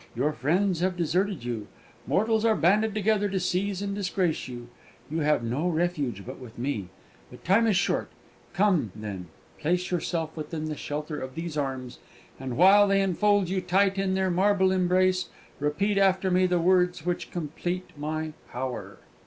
"Your friends have deserted you; mortals are banded together to seize and disgrace you: you have no refuge but with me. But time is short. Come, then, place yourself within the shelter of these arms, and, while they enfold you tight in their marble embrace, repeat after me the words which complete my power."